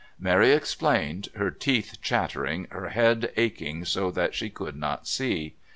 Mary explained, her teeth chattering, her head aching so that she could not see.